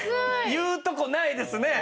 言うとこないですね。